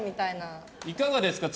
いかがですか？